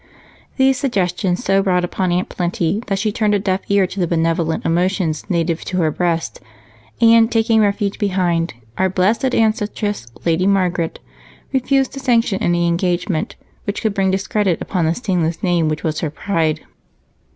These suggestions so wrought upon Aunt Plenty that she turned a deaf ear to the benevolent emotions native to her breast and, taking refuge behind "our blessed ancestress, Lady Marget," refused to sanction any engagement which could bring discredit upon the stainless name which was her pride.